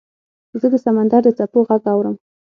زه د سمندر د څپو غږ اورم .